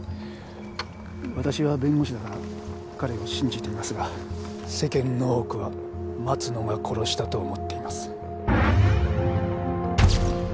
私は弁護士だから彼を信じていますが世間の多くは松野が殺したと思っています。